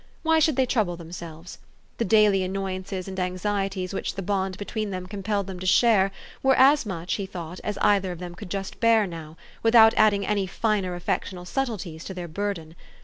Why should they trouble themselves ? The daily annoyances and anxieties which the bond between them compelled them to share were as much, he thought, as either of them could bear just now, without adding any finer affectional subtleties to their burden.